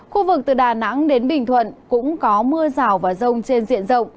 khu vực từ đà nẵng đến bình thuận cũng có mưa rào và rông trên diện rộng